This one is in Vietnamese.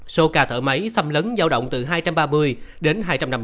số ca thở máy xâm lấn giao động từ hai trăm ba mươi đến hai trăm năm mươi